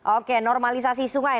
oke normalisasi sungai